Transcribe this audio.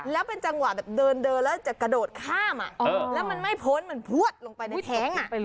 แล้วเป็นจังหวะแบบเดินแล้วจะกระโดดข้ามแล้วมันไม่พ้นมันพวดลงไปในแท้ง